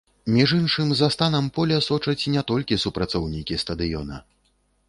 Між іншым, за станам поля сочаць не толькі супрацоўнікі стадыёна.